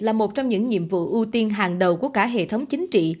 là một trong những nhiệm vụ ưu tiên hàng đầu của cả hệ thống chính trị